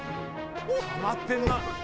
たまってるな。